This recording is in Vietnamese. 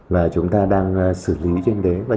và chúng ta đang xử lý trên đấy